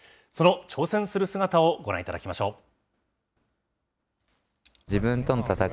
その挑戦する姿をご覧いただきましょう。